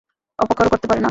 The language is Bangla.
অপকারও করতে পারে না।